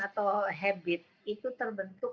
atau habit itu terbentuk